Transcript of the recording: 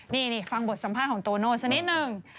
นี่ฟังบทสัมภาษณ์ของโตโน่สักนิดนึง